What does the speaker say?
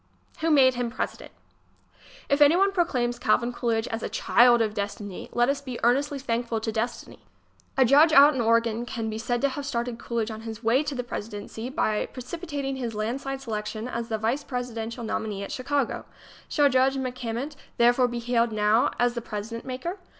Who Made Him President ? If anyone proclaims Calvin Coolidge a "child of destiny," let us be earnestly thankful to Destiny. A judge out in Oregon can be said to have started Coolidge on his way to the presidency, by precip itating his landslide selection as the vice presiden tial nominee at Chicago. Shall Judge MacCammant therefore be hailed now as the president maker?